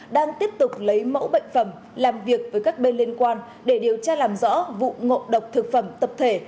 đang tiếp tục lấy mẫu bệnh phẩm làm việc với các bên liên quan để điều tra làm rõ vụ ngộ độc thực phẩm tập thể